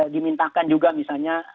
dimintakan juga misalnya